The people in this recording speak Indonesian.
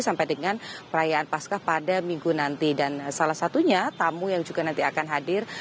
sampai dengan perayaan pascah pada minggu nanti dan salah satunya tamu yang juga nanti akan hadir